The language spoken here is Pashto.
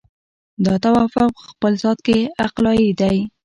دا توافق په خپل ذات کې عقلایي دی.